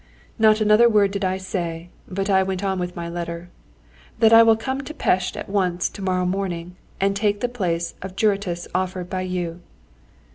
Not another word did I say, but I went on with my letter ... "that I will come to Pest at once to morrow morning, and take the place of juratus offered by you."